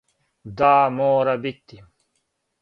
Да, мора бити.